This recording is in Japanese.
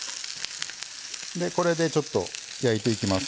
これでちょっと焼いていきます。